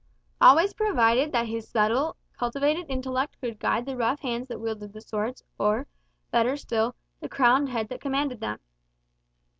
Always provided that his subtle, cultivated intellect could guide the rough hands that wielded the swords, or, better still, the crowned head that commanded them.